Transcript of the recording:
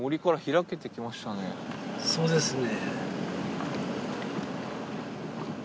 そうですね。